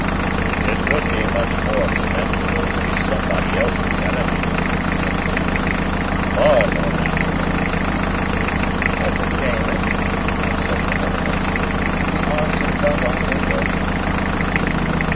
"It would be much more commendable to be somebody else's enemy," said the gentleman; "far more natural." "Cousin Raymond," observed another lady, "we are to love our neighbour."